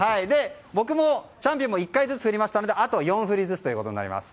僕もチャンピオンも１回ずつ振りましたのであと４振りずつとなります。